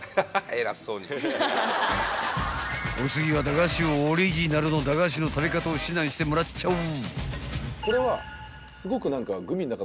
［お次は駄菓子王オリジナルの駄菓子の食べ方を指南してもらっちゃおう］